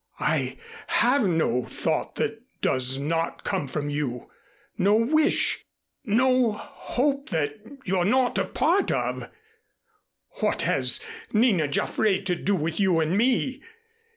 I have no thought that does not come from you, no wish no hope that you're not a part of. What has Nina Jaffray to do with you and me?